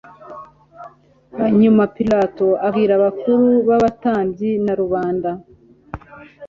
hanyuma pilato abwira abakuru b abatambyi na rubanda